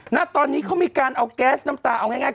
ณตอนนี้เขามีการเอาแก๊สน้ำตาเอาง่าย